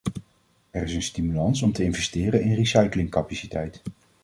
En er is een stimulans om te investeren in recyclingcapaciteit.